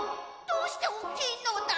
どうしておっきいのだ？